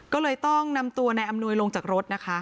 ก็เลยต้องนำตัวนายอำนวยลงจากรถนะคะ